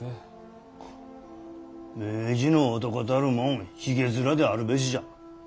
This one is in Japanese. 明治の男たるもんひげ面であるべしじゃ。